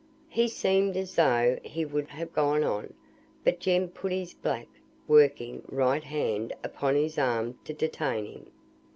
He seemed as though he would have gone on, but Jem put his black, working, right hand upon his arm to detain him.